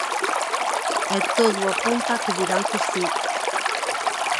E todo apunta que dirán que si.